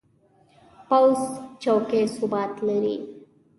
پوخ چوکۍ ثبات لري